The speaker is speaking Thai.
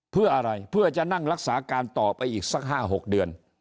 เพื่ออะไรเพื่อจะนั่งรักษาการต่อไปอีกสัก๕๖เดือน